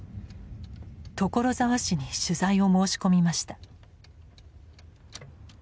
所沢市に取材を申し込みました。